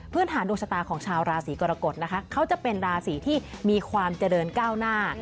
ฐานดวงชะตาของชาวราศีกรกฎนะคะเขาจะเป็นราศีที่มีความเจริญก้าวหน้า